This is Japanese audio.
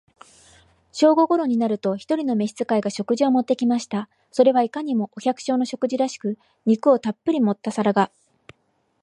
正午頃になると、一人の召使が、食事を持って来ました。それはいかにも、お百姓の食事らしく、肉をたっぶり盛った皿が、